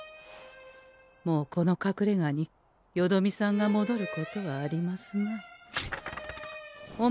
もうこのかくれがによどみさんがもどることはありますまい。